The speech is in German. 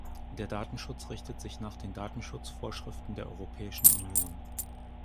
Der Datenschutz richtet sich nach den Datenschutzvorschriften der Europäischen Union.